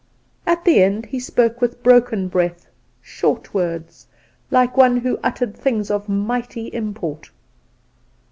At the end he spoke with broken breath short words, like one who utters things of mighty import.